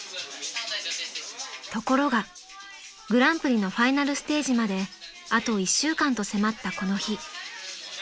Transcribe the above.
［ところがグランプリのファイナルステージまであと１週間と迫ったこの日］